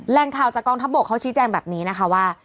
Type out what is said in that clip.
แรงข่าวจากกองทัพบกเขาชี้แจงแบบนี้นะคะว่า